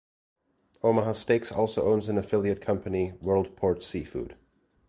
Omaha Steaks also owns an affiliate company, World Port Seafood.